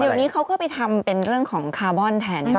เดี๋ยวนี้เขาก็ไปทำเป็นเรื่องของคาร์บอนแทนใช่ไหม